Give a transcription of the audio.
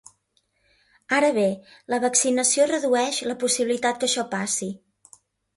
Ara bé, la vaccinació redueix la possibilitat que això passi.